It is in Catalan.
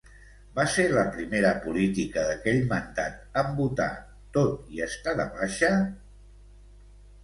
Va ser la primera política d'aquell mandat en votar, tot i estar de baixa?